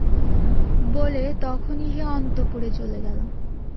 বলে তখনই সে অন্তঃপুরে চলে গেল।